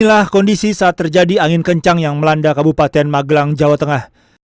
inilah kondisi saat terjadi angin kencang yang melanda kabupaten magelang jawa tengah